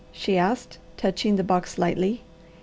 she asked, touching the box lightly.